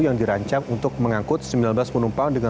yang dirancang untuk mengangkut sembilan belas penumpang